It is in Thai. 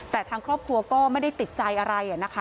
แต่ทางครอบครัวก็ไม่ได้ติดใจอะไรนะคะ